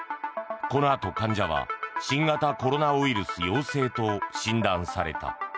このあと患者は新型コロナウイルス陽性と診断された。